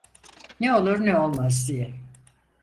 Ne olur ne olmaz diye.